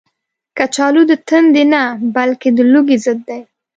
کچالو د تندې نه، بلکې د لوږې ضد دی